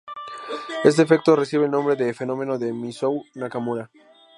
Este efecto recibe el nombre de fenómeno de Mizuo-Nakamura.